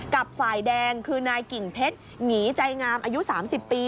กับฝ่ายแดงคือนายกิ่งเพชรหงีใจงามอายุ๓๐ปี